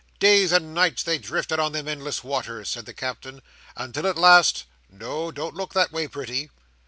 "Days and nights they drifted on them endless waters," said the Captain, "until at last—No! Don't look that way, pretty!